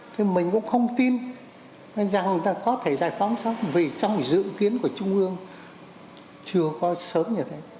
thế mình cũng không tin rằng người ta có thể giải phóng xong vì trong dự kiến của trung ương chưa có sớm như thế